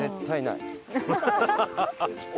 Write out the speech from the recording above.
ハハハハ！